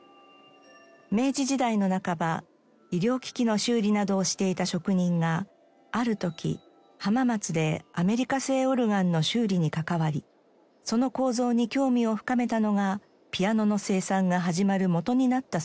明治時代の半ば医療機器の修理などをしていた職人がある時浜松でアメリカ製オルガンの修理に関わりその構造に興味を深めたのがピアノの生産が始まるもとになったそうです。